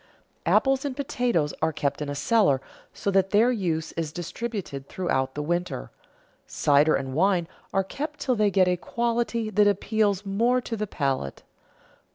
Apples and potatoes are kept in a cellar so that their use is distributed throughout the winter; cider and wine are kept till they get a quality that appeals more to the palate.